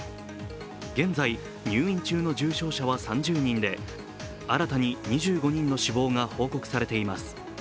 現在、入院中の重症者は３０人で新たに２５人の死亡が報告されています。